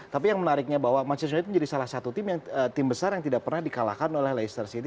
tapi yang menariknya bahwa manchester united menjadi salah satu tim besar yang tidak pernah dikalahkan oleh leicester city